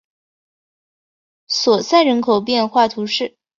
索赛人口变化图示